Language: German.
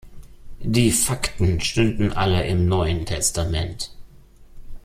Die Fakten stünden alle im Neuen Testament.